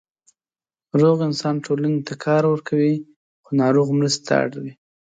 روغ انسان ټولنې ته کار ورکوي، خو ناروغ مرستې ته اړ وي.